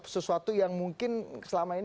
sesuatu yang mungkin selama ini